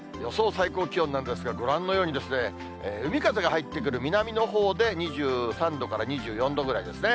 最高気温なんですが、ご覧のように、海風が入ってくる南のほうで２３度から２４度ぐらいですね。